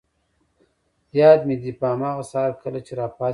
یاد مي دي، په هماغه سهار کله چي راپاڅېدم.